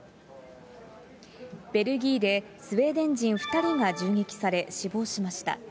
ベルギーでスウェーデン人２人が銃撃され死亡しました。